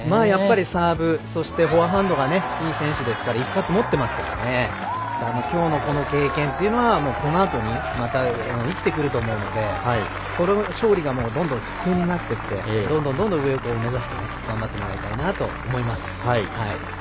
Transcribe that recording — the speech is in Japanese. サーブ、そしてフォアハンドがいい選手ですからいい経験持ってますから今日のこの経験っていうのはこのあとにまた生きてくると思うのでこの勝利がどんどん普通になってってどんどん上を目指して頑張っていってもらいたいなと思います。